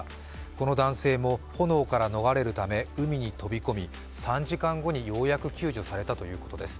この男性も炎から逃れるため海に飛び込み、３時間後にようやく救助されたということです。